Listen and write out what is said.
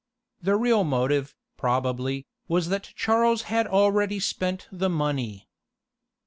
The real motive, probably, was that Charles had already spent the money.